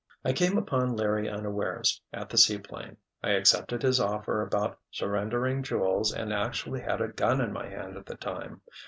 I came upon Larry unawares, at the seaplane. I accepted his offer about surrendering jewels and actually had a gun in my hand at the time.